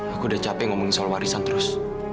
aku udah capek ngomongin soal warisan terus